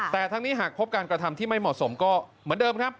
แต่ทั้งนี้หากพบการกระทำที่ไม่เหมาะสมก็เหมือนเดิมครับ